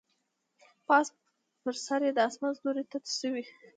پاس پر سر یې د اسمان ستوري تت شوي